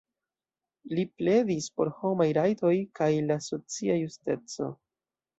Li pledis por homaj rajtoj kaj la socia justeco.